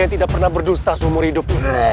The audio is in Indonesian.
yang tidak pernah berdusta seumur hidup